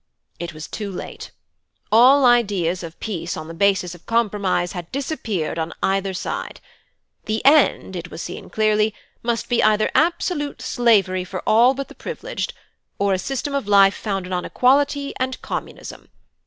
"It was too late. All ideas of peace on a basis of compromise had disappeared on either side. The end, it was seen clearly, must be either absolute slavery for all but the privileged, or a system of life founded on equality and Communism.